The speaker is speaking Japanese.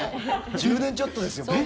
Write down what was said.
１０年ちょっとですよ。